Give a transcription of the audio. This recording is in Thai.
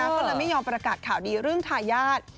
ก็เลยไม่ยอมประกาศข่าวดีเรื่องทายาท